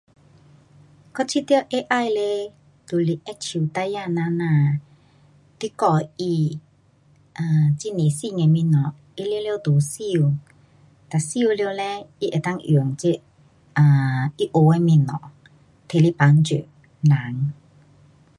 我觉得 AI 嘞就是会像孩儿那样，你教它 um 很多新的东西，它全部都收，哒收了嘞它能够用这 um 它学的东西，拿来帮助人。